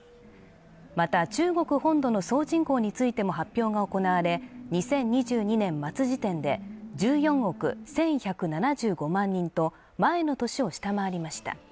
また中国本土の総人口についても発表が行われ２０２２年末時点で１４億１１７５万人と前の年を下回りました